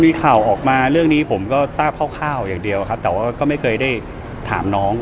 มีข่าวออกมาเรื่องนี้ผมก็ทราบคร่าวอย่างเดียวครับแต่ว่าก็ไม่เคยได้ถามน้อง